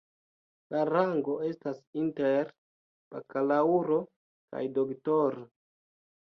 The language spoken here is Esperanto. La rango estas inter bakalaŭro kaj doktoro.